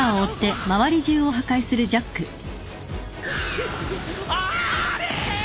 ひっあれ！